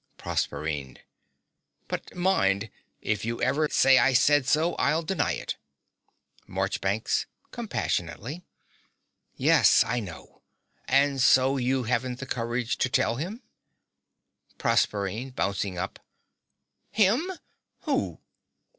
PROSERPINE. But mind: if you ever say I said so, I'll deny it. MARCHBANKS (compassionately). Yes, I know. And so you haven't the courage to tell him? PROSERPINE (bouncing up). HIM! Who?